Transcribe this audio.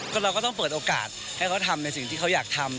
ก็เราก็ต้องเปิดโอกาสให้เขาทำในสิ่งที่เขาอยากทำ